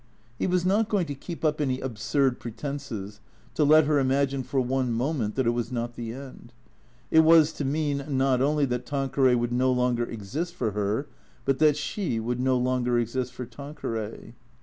He was not going to keep up any absurd pretences, to let her imagine for one moment that it was not the end. It was to mean, not only that Tanqueray would no longer exist for her, but that she would no longer exist for Tanqueray.